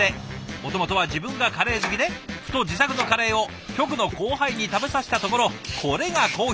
もともとは自分がカレー好きでふと自作のカレーを局の後輩に食べさせたところこれが好評。